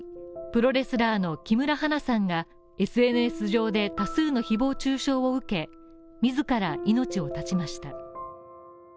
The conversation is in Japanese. プロレスラーの木村花さんがＳＮＳ上で、多数の誹謗中傷を受け自ら命を絶ちました。